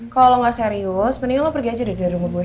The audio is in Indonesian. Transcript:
kalau lo gak serius mending lo pergi aja deh dari rumah gue